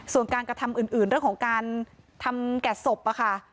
ส่วนการกระทำอื่นเรื่องของการทำแก่ศพอะค่ะ